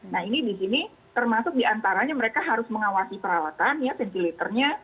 nah ini di sini termasuk diantaranya mereka harus mengawasi peralatan ya ventilatornya